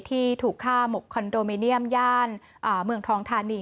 ที่ถูกฆ่าหมกคอนโดมิเนียมย่านเมืองทองทานี